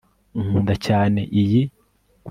Nkunda cyane iyi